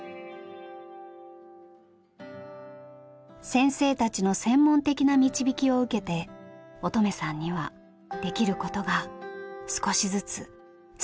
先生たちの専門的な導きを受けて音十愛さんにはできることが少しずつ少しずつ増えていきました。